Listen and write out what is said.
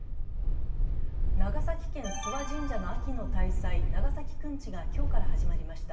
長崎県・諏訪神社の秋の大祭、長崎くんちが今日から始まりました。